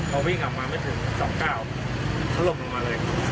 พอวิ่งออกมาไม่ถึงสองเก้าทะลมลงมาเลย